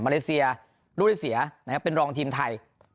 เลเซียลูกที่เสียนะครับเป็นรองทีมไทย